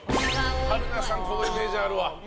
春菜さん、このイメージあるわ。